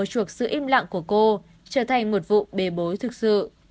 để môi chuộc sự im lặng của cô trở thành một vụ bề bối thực sự